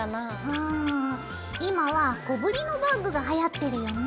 うん今は小ぶりのバッグがはやってるよね。